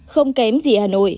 không kém gì hà nội